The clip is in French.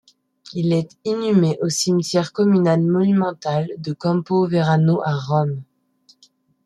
Il est inhumé au Cimetière communal monumental de Campo Verano à Rome.